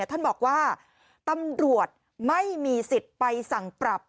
ท่านบอกว่าตำรวจไม่มีสิทธิ์ไปสั่งปรับ